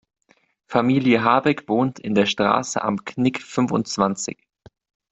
Familie Habeck wohnt in der Straße Am Knick fünfundzwanzig.